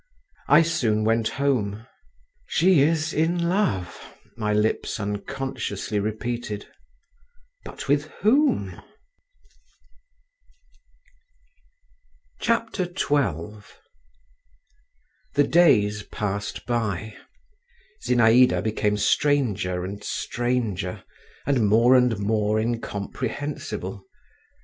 I soon went home. "She is in love," my lips unconsciously repeated…. "But with whom?" XII The days passed by. Zinaïda became stranger and stranger, and more and more incomprehensible.